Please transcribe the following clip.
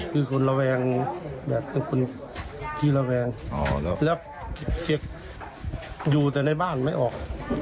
คือคนระแวงแบบเป็นคนขี้ระแวงแล้วอยู่แต่ในบ้านไม่ออก